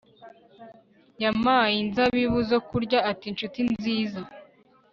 Yampaye inzabibu zo kurya ati Nshuti nziza